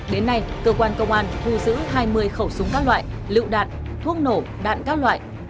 đến nay cơ quan công an thu giữ hai mươi khẩu súng các loại lựu đạn thuốc nổ đạn các loại